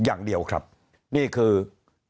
เพราะสุดท้ายก็นำไปสู่การยุบสภา